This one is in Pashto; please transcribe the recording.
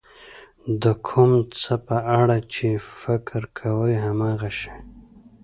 د کوم څه په اړه چې فکر کوئ هماغه شی.